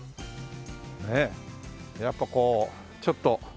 ねえやっぱこうちょっと郊外に来る。